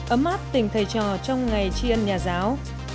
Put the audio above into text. ấm áp tình thầy trò trong ngày tri ân nhà giáo